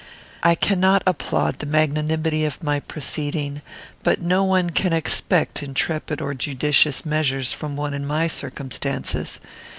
I cannot applaud the magnanimity of my proceeding; but no one can expect intrepid or judicious measures from one in my circumstances.